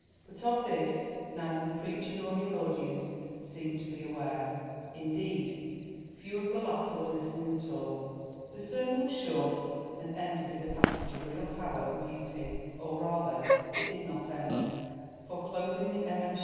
But of this neither the preacher nor his audience seemed to be aware, indeed, few of the latter were listening at all. The sermon was short and ended with a passage of real power and beauty—or rather it did not end, for, closing the MS.